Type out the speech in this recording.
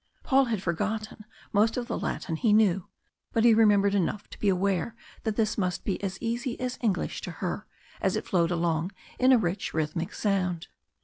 Paul had forgotten most of the Latin he knew, but he remembered enough to be aware that this must be as easy as English to her as it flowed along in a rich rhythmic sound.